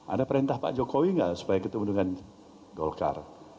ada perintah pak jokowi nggak supaya ketemu dengan golkar